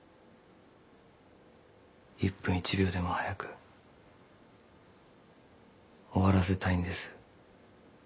１分１秒でも早く終わらせたいんです。